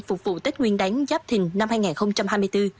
phục vụ tết nguyên đáng giáp thình năm hai nghìn hai mươi bốn